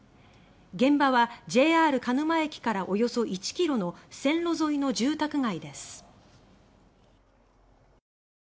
現場は、ＪＲ鹿沼駅からおよそ１ｋｍの線路沿いの住宅街です。